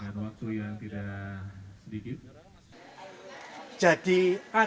dengan waktu yang tidak sedikit